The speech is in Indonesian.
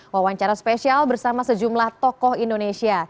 wawancara spesial bersama sejumlah tokoh indonesia